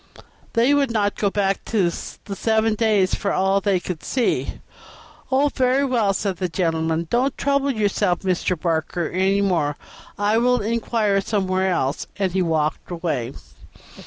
they would not go back to the seven days for all they could see." "Oh, very well," said the gentleman. "Don't trouble yourself, Mr. Barker, any further. I will inquire somewhere else," and he walked away.